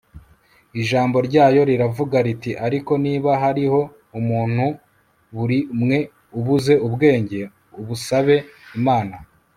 ijambo ryayo riravuga riti ariko niba hariho umuntu muri mwe ubuze ubwenge, abusabe imana